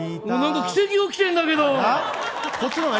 何か奇跡が起きてんだけど！